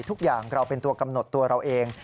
ทุกอย่างเราเป็นตัวกำหนดตัวเราเอง